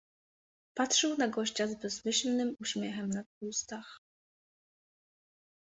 Patrzył na gościa z bezmyślnym uśmiechem na ustach.